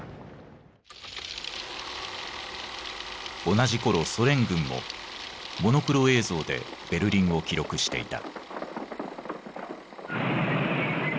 同じころソ連軍もモノクロ映像でベルリンを記録していた。